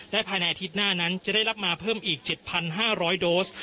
และภายในอาทิตย์หน้านั้นจะได้รับมาเพิ่มอีกเจ็ดพันห้าร้อยโดส